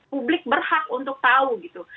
publik berhak untuk tahu gitu